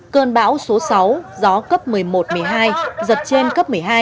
cơn bão số sáu gió cấp một mươi một một mươi hai giật trên cấp một mươi hai